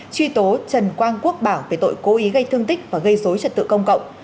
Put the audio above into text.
truy tố trần quang quốc bảo về tội cố ý gây thương tích và gây dối trật tự công cộng